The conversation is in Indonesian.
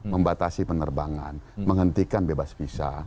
membatasi penerbangan menghentikan bebas visa